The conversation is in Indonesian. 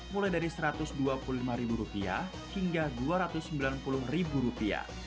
mulai dari rp satu ratus dua puluh lima hingga rp dua ratus sembilan puluh